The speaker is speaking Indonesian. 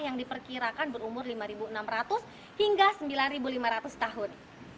yang diperkirakan berumur lima enam ratus hingga sembilan lima ratus tahun